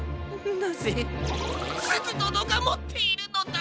なぜすずどのがもっているのだ！？